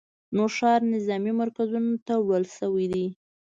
نوښار نظامي مرکزونو ته وړل شوي دي